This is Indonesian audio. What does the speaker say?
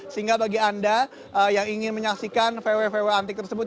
sehingga bagi anda yang ingin menyaksikan vw vw antik tersebut